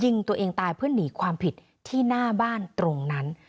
ยิงตัวเองตายเพื่อหนีความผิดที่หน้าบ้านตรงนั้น